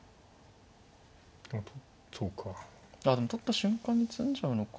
あでも取った瞬間に詰んじゃうのか。